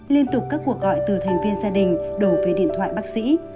liên tục các cuộc gọi từ thành viên gia đình đổ về điện thoại bác sĩ